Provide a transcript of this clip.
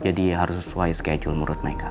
jadi harus sesuai schedule menurut mereka